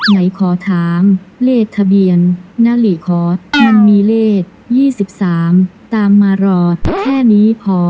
ไหนขอถามเลขทะเบียนนาลีคอร์สมันมีเลข๒๓ตามมารอแค่นี้พอ